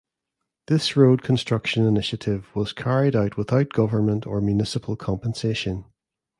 This road construction initiative was carried out without government or municipal compensation.